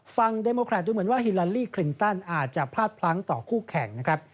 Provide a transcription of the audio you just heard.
เดโมแครตดูเหมือนว่าฮิลาลีคลินตันอาจจะพลาดพลั้งต่อคู่แข่งนะครับ